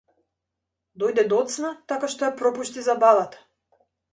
Дојде доцна така што ја пропушти забавата.